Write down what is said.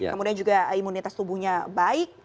kemudian juga imunitas tubuhnya baik